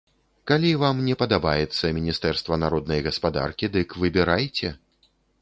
Калі вам не падабаецца міністэрства народнай гаспадаркі, дык выбірайце.